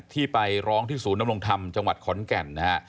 ที่ไปร้องที่ศูนย์นำรงธรรมจังหวัดขอนแก่นนะฮะ